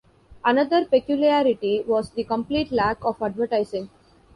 Another peculiarity was the complete lack of advertising.